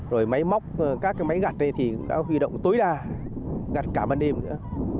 rồi máy móc các cái máy gạt đây thì đã huy động tối đa gặt cả ban đêm nữa